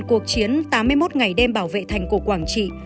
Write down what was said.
cuộc chiến tám mươi một ngày đêm bảo vệ thành cổ quảng trị